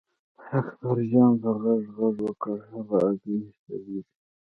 اکبرجان په غږ غږ وکړ هغه هګۍ سړېږي.